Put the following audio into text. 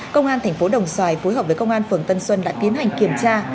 công an tp đồng xoài phối hợp với công an phường tân xuân đã tiến hành kiểm tra